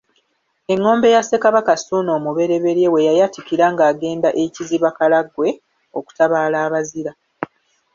Engombe ya Ssekabaka Ssuuna I we yayatikira ng’agenda e Kiziba-Karagwe okutabaala abazira.